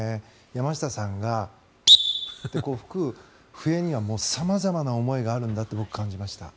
山下さんが吹く笛には様々な思いがあるんだと僕、感じました。